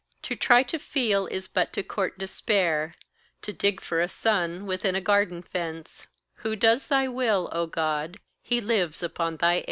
To try to feel is but to court despair, To dig for a sun within a garden fence: Who does thy will, O God, he lives upon thy air.